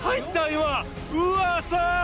うわ！さ！